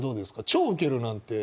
「超ウケる」なんて。